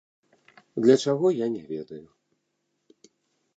Для чаго, я не ведаю.